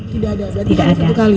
tidak ada berarti baru satu kali